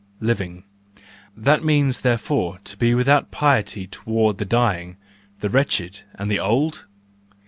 Living—that means, there¬ fore, to be without piety toward the dying, the wretched and the old